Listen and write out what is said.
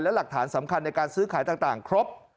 และหลักฐานสำคัญในการซื้อขายต่างครบ